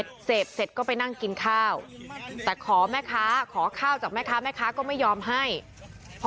ก็กล่าวว่ากินข้าวเสร็จจะเสพอีกสักเม็ดนึงค่ะ